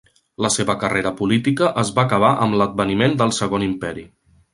La seva carrera política es va acabar amb l'adveniment del Segon Imperi.